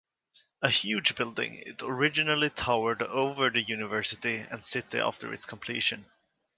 A huge building, it originally towered over the university and city after its completion.